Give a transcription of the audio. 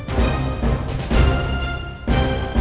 cole organisasi yang lebih kuat milik foto